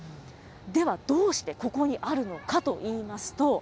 では、どうしてここにあるのかといいますと。